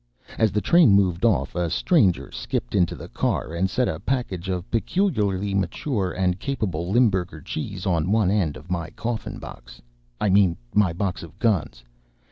As the train moved off a stranger skipped into the car and set a package of peculiarly mature and capable Limburger cheese on one end of my coffin box I mean my box of guns.